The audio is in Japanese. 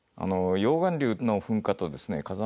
溶岩流の噴火とですね火山